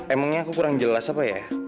emangnya aku kurang jelas apa ya